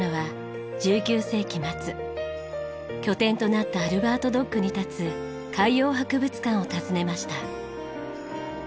拠点となったアルバートドックに立つ海洋博物館を訪ねました。